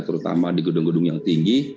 terutama di gedung gedung yang tinggi